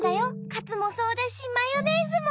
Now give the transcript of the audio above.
カツもそうだしマヨネーズも。